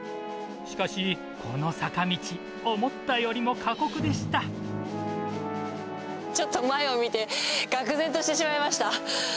しかし、この坂道、ちょっと前を見て、がくぜんとしてしまいました。